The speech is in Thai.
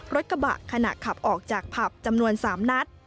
รถกระบะขณะขับออกจากผับจำนวน๓นัด